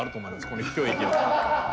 この秘境駅は。